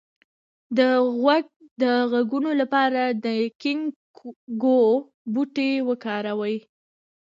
د غوږ د غږونو لپاره د ګینکګو بوټی وکاروئ